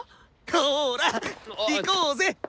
ほら行こうぜ！